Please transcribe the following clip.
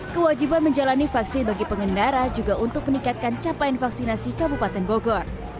kewajiban menjalani vaksin bagi pengendara juga untuk meningkatkan capaian vaksinasi kabupaten bogor